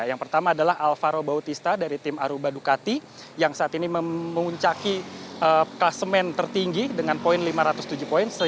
yang pertama adalah alvaro bautista dari tim aruba ducati yang saat ini memuncaki kelasemen tertinggi dengan poin lima ratus tujuh poin